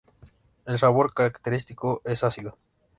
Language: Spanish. El sabor característico es ácido.